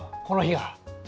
この日が。